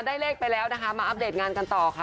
เลขไปแล้วนะคะมาอัปเดตงานกันต่อค่ะ